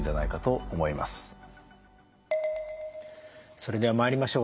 それでは参りましょう。